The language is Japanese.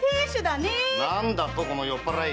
何だと酔っぱらい！